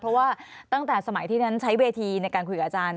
เพราะว่าตั้งแต่สมัยที่ฉันใช้เวทีในการคุยกับอาจารย์